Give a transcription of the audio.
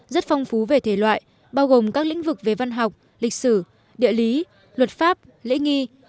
rất phong phú về thể loại bao gồm các lĩnh vực về văn học lịch sử địa lý luật pháp lễ nghi